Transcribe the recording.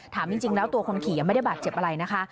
ถามจริงแล้วตัวคนขี่ยังไม่ได้บาดเจ็บอะไรนะคะ